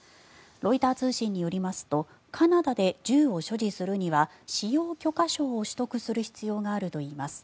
ロイター通信によりますとカナダで銃を所持するには使用許可証を取得する必要があるといいます。